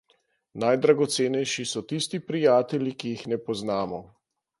Najdragocenejši so tisti prijatelji, ki jih ne poznamo.